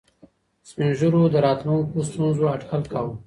سپین ږیرو د راتلونکو ستونزو اټکل کاوه.